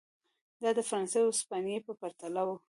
دا د فرانسې او هسپانیې په پرتله و.